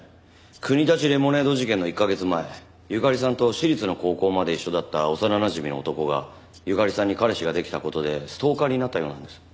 国立レモネード事件の１カ月前友加里さんと私立の高校まで一緒だった幼なじみの男が友加里さんに彼氏ができた事でストーカーになったようなんです。